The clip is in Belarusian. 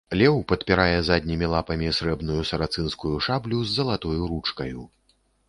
Леў падпірае заднімі лапамі срэбную сарацынскую шаблю з залатою ручкаю.